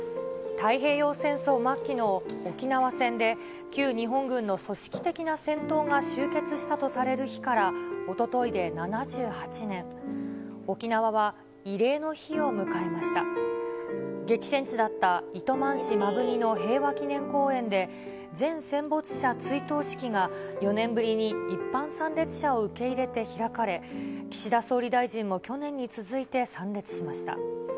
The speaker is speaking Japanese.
太平洋戦争末期の沖縄戦で、旧日本軍の組織的な戦闘が終結したとされる日から、おとといで激戦地だった糸満市摩文仁の平和祈念公園で、全戦没者追悼式が４年ぶりに一般参列者を受け入れて開かれ、岸田総理大臣も去年に続いて参列しました。